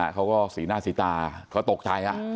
เขาก็สีหน้าสีตาเขาตกใจ